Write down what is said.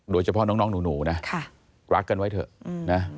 โดยเฉพาะน้องหนูนะรักกันไว้เถอะนะ